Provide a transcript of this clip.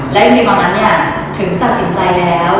และจริงประมาณนั้นถึงตัดสินใจแล้ว